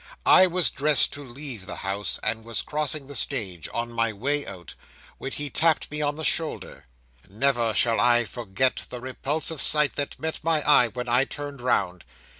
I was dressed to leave the house, and was crossing the stage on my way out, when he tapped me on the shoulder. Never shall I forget the repulsive sight that met my eye when I turned round.